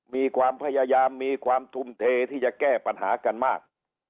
มีความพยายามมีความทุ่มเทที่จะแก้ปัญหากันมาก